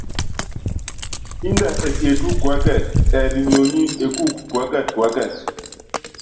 Indɛ esietu kuɛ́kɛt, ɛɛli nyonyí ekúuku kɛ́k kuɛ́kɛt.